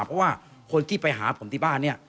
เพราะว่าคนที่ไปหาผมที่บ้านเนี่ย